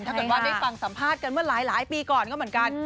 ถ้าเกิดว่าได้ฟังสัมภาษณ์กันเมื่อหลายปีก่อนก็เหมือนกัน